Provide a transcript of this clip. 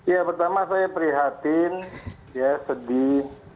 ya pertama saya prihatin ya sedih